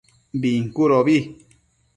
Bincudobi